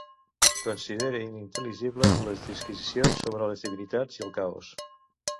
Considere inintel·ligibles les disquisicions sobre les divinitats i el caos.